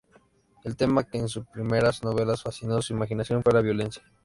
El tema que en sus primeras novelas fascinó su imaginación fue la violencia.